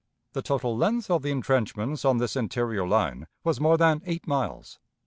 The total length of the intrenchments on this interior line was more than eight miles.